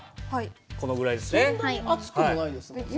このぐらいですね。